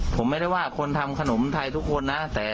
ผมไม่ได้ว่าคนทำขนมไทยทุกคนนะ